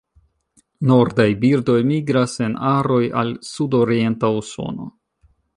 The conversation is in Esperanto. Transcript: Nordaj birdoj migras en aroj al sudorienta Usono.